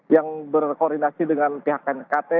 yang berkoordinasi dengan pihak knkt